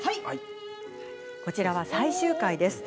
こちらは最終回。